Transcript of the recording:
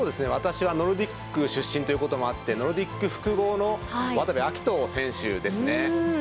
私はノルディック出身ということもあってノルディック複合の渡部暁斗選手ですね。